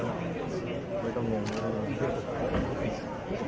ออร์คได้มาให้เข้าถึงตะไหม